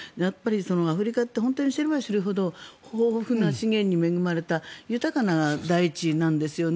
アフリカって本当に知れば知るほど豊富な資源に恵まれた豊かな大地なんですよね。